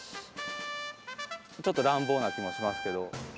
ちょっと乱暴な気もしますけど。